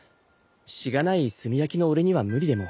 しがない炭焼きの俺には無理でもいつか誰かが。